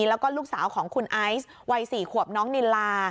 แล้วก็ลูกสาวของคุณไอซ์วัย๔ขวบน้องนิลา